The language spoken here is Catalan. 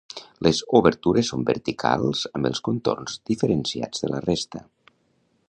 Les obertures són verticals amb els contorns diferenciats de la resta.